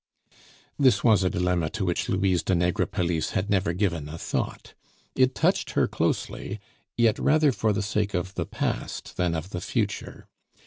This was a dilemma to which Louise de Negrepelisse had never given a thought; it touched her closely, yet rather for the sake of the past than of the future.